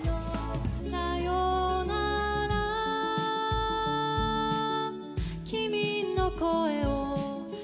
「さよなら君の声を」